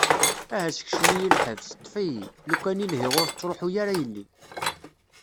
Aha sekcem-iyi lḥebs, ṭfet-iyi, lukan i lhiɣ ur tettruḥu ara yelli.